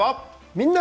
「みんな！